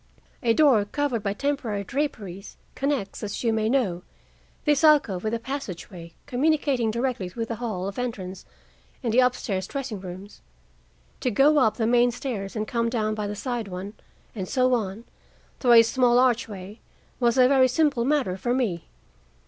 A door, covered by temporary draperies, connects, as you may know, this alcove with a passageway communicating directly with the hall of entrance and the up stairs dressing rooms. To go up the main stairs and come down by the side one, and so on, through a small archway, was a very simple matter for me.